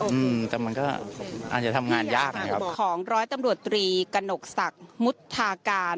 อืมแต่มันก็อาจจะทำงานยากนะครับของร้อยตำรวจตรีกระหนกศักดิ์มุทาการ